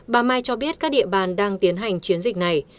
bà mai cho biết các địa bàn đang tiến hành chiến dịch này